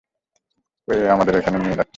ওই আমাদের ওখানে নিয়ে যাচ্ছে।